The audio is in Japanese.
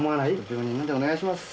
・病人なんでお願いします